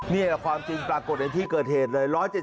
นี่แหละความจริงปรากฏในที่เกิดเหตุเลย